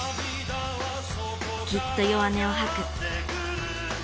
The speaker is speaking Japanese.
きっと弱音をはく。